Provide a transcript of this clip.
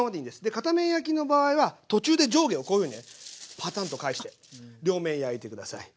で片面焼きの場合は途中で上下をこういうふうにねパタンと返して両面焼いて下さい。